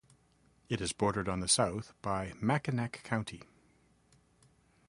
It is bordered to the south by Mackinac County.